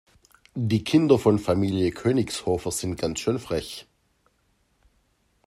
Die Kinder von Familie Königshofer sind ganz schön frech.